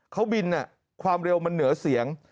เขาบินความเร็วมันเหนือเสียง